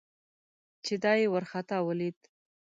چې دای یې ورخطا ولید.